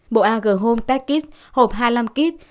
bộ ag home test kit hộp hai mươi năm kit